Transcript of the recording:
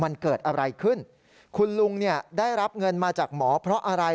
มันเกิดอะไรขึ้นคุณลุงเนี่ยได้รับเงินมาจากหมอเพราะอะไร